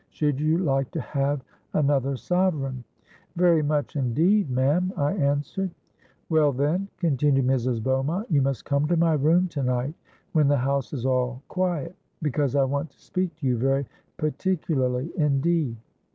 Should you like to have another sovereign?'—'Very much indeed, ma'am,' I answered.—'Well, then,' continued Mrs. Beaumont, 'you must come to my room to night, when the house is all quiet; because I want to speak to you very particularly indeed.'